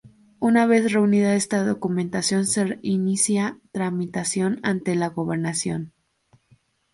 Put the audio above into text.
Una vez reunida esta documentación se inicia la tramitación ante la gobernación.